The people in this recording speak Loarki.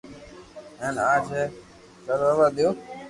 ھين آج ھي ڪروا ديو